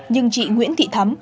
nhưng chị nguyễn thị thái